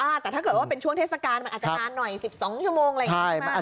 แต่ถ้าเกิดว่าเป็นช่วงเทศกาลมันอาจจะนานหน่อย๑๒ชั่วโมงอะไรอย่างนี้ใช่ไหม